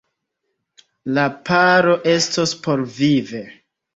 La paro estos porvive.